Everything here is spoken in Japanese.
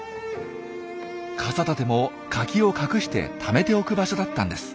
傘立てもカキを隠してためておく場所だったんです。